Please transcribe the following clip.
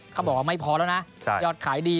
เขาบอกว่าไม่พอแล้วนะยอดขายดี